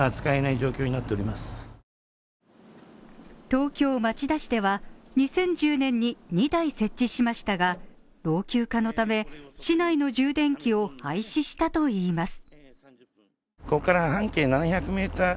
東京・町田市では２０１０年に２台設置しましたが、老朽化のため市内の充電器を廃止したといいます。